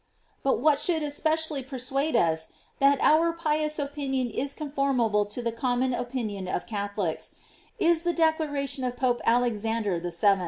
But what should especially persuade UP; that our pious opinion is conformable to the common opinion of Catholics, is the declaration of Pope Alexander VII.